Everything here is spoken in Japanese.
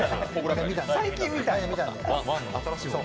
最近見たんです。